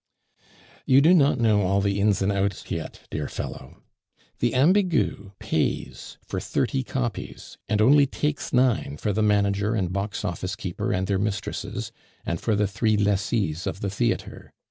"You do not know all the ins and outs yet, dear fellow. The Ambigu pays for thirty copies, and only takes nine for the manager and box office keeper and their mistresses, and for the three lessees of the theatre.